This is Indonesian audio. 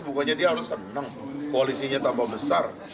bukannya dia harus senang koalisinya tambah besar